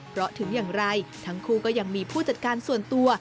เพราะถึงอย่างไรทั้งคู่ก็ยังมีผู้จัดการส่วนตัว